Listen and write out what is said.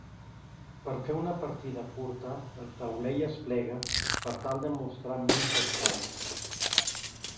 Per fer una partida curta el taulell es plega per tal de mostrar menys espais.